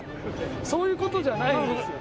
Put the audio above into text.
そういう事じゃないんですよ。